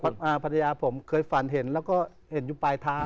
พันธ์พันธ์พันธ์ผมเคยฟันเห็นแล้วก็เห็นอยู่ปลายท้า